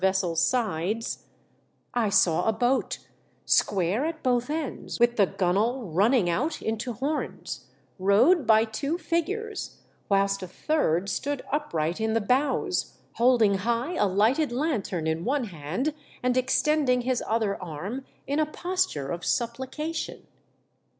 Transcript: vessel's sides, I saw a boat, square at both ends, with the gunwale running out into horns, rowed by two figures, whilst a third stood upright in the bows, holding high a lighted lanthorn in one hand, and extending his other arm in a posture of supplication.